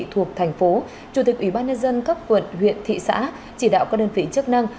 thuộc thành phố chủ tịch ủy ban nhân dân các quận huyện thị xã chỉ đạo các đơn vị chức năng